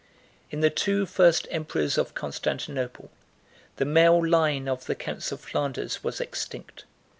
In the two first emperors of Constantinople the male line of the counts of Flanders was extinct.